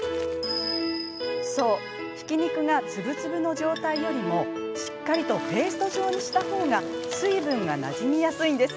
そうひき肉が粒々の状態よりもしっかりとペースト状にしたほうが水分がなじみやすいんです。